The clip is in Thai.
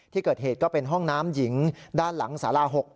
ที่เกิดเหตุก็เป็นห้องน้ำหญิงด้านหลังสารา๖